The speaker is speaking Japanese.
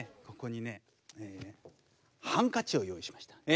ここにねハンカチを用意しました。